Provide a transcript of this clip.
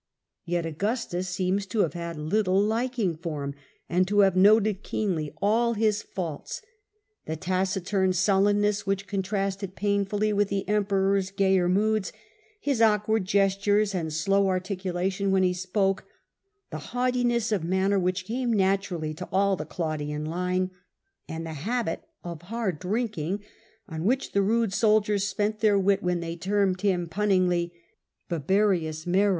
Yet Augustus seems to have had little liking for him, and to have noted keenly all his faults, the taci ......,,,,• r „• t. Little hked turn sullenness which contrasted painfully with by Au the Emperor^s gayer moods, his awkward ges tures and slow articulation when he spoke, the haugh tiness of manner which came naturally to all the Claudian line, and the habit of hard drinking, on which the rude soldiers spent their wit when they termed him punningly ^ Biberius Mero.